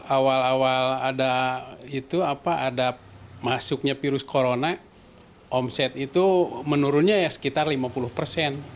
awal awal ada masuknya virus corona omset itu menurunnya sekitar lima puluh persen